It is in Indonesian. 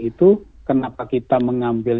itu kenapa kita mengambil